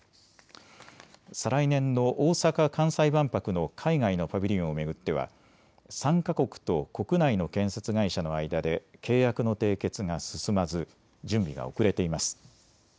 再来年の大阪・関西万博の海外のパビリオンを巡っては参加国と国内の建設会社の間で契約の締結が進まず準備が遅れています。